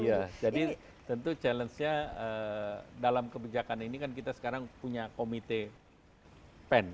iya jadi tentu challenge nya dalam kebijakan ini kan kita sekarang punya komite pen